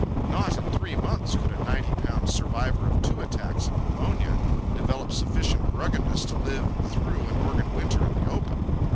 Not in three months could a ninety pound survivor of two attacks of pneumonia develop sufficient ruggedness to live through an Oregon winter in the open.